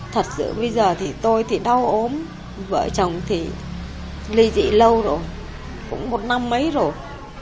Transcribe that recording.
thật sự bây giờ thì tôi thì đau ốm vợ chồng thì ly dị lâu rồi cũng một năm mấy rồi